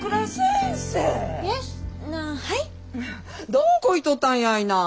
どこ行っとったんやな？